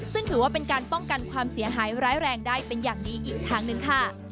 ซึ่งถือว่าเป็นการป้องกันความเสียหายร้ายแรงได้เป็นอย่างดีอีกทางหนึ่งค่ะ